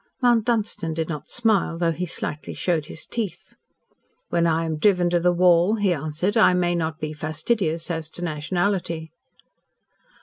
Mount Dunstan did not smile, though he slightly showed his teeth. "When I am driven to the wall," he answered, "I may not be fastidious as to nationality."